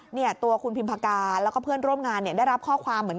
เนี่ยตัวคุณพิมพากาแล้วก็เพื่อนร่วมงานเนี่ยได้รับข้อความเหมือน